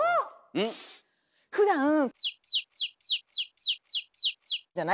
ん？ふだんじゃない？